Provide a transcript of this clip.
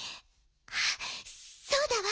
あっそうだわ。